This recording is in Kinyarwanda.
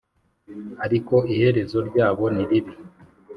Ariko iherezo ryabo niribi